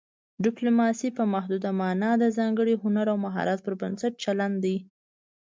ډیپلوماسي په محدوده مانا د ځانګړي هنر او مهارت پر بنسټ چلند دی